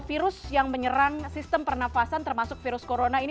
virus yang menyerang sistem pernafasan termasuk virus corona ini